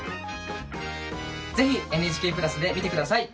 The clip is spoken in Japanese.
ぜひ「ＮＨＫプラス」で見て下さい。